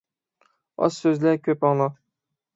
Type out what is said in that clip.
ئاز سۆزلە، كۆپ ئاڭلا.